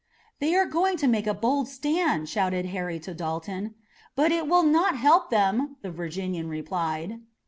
"They are going to make a bold stand," shouted Harry to Dalton. "But it will not help them," the Virginian replied.